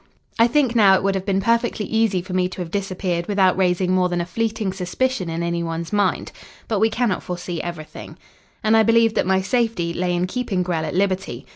I think now it would have been perfectly easy for me to have disappeared without raising more than a fleeting suspicion in any one's mind. But we cannot foresee everything. And I believed that my safety lay in keeping Grell at liberty.